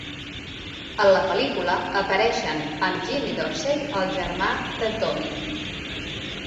En la pel·lícula, apareixen amb Jimmy Dorsey, el germà de Tommy.